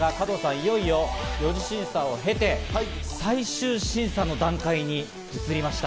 いよいよ４次審査を経て、最終審査の段階に移りました。